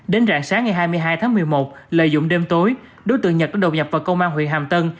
đến rạng sáng ngày hai mươi hai tháng một mươi một lợi dụng đêm tối đối tượng nhật có đột nhập vào công an huyện hàm tân